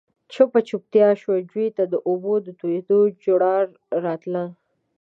چوپه چوپتيا شوه، جووې ته د اوبو د تويېدو جورړا راتله.